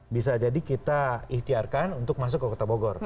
bisa jadi kita ikhtiarkan untuk masuk ke kota bogor